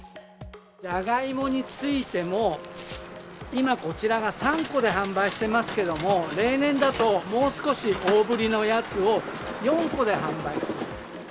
ジャガイモについても、今、こちらが３個で販売してますけど、例年だと、もう少し大ぶりのやつを４個で販売する。